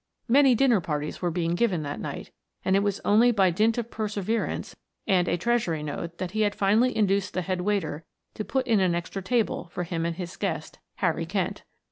Many dinner parties were being given that night, and it was only by dint of perseverance and a Treasury note that he had finally induced the head waiter to put in an extra table for him and his guest, Harry Kent.